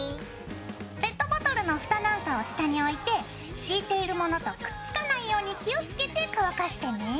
ペットボトルの蓋なんかを下に置いて敷いている物とくっつかないように気を付けて乾かしてね。